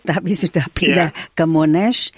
tapi sudah pindah ke monas